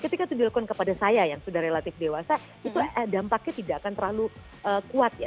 ketika itu dilakukan kepada saya yang sudah relatif dewasa itu dampaknya tidak akan terlalu kuat ya